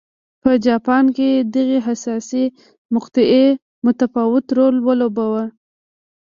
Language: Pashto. په جاپان کې دغې حساسې مقطعې متفاوت رول ولوباوه.